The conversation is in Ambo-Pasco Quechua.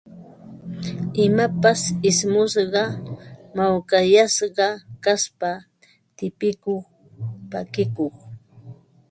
Imapas ismusqa, mawkayasqa kaspa tipikuq, pakikuq